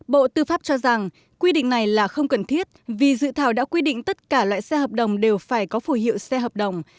bộ tư pháp cho rằng quy định này là không cần thiết vì dự thảo đã quy định tất cả loại xe hợp đồng đều phải có phù hiệu xe hợp đồng